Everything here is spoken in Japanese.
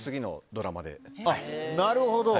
なるほど。